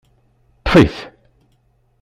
Ṭṭef-it!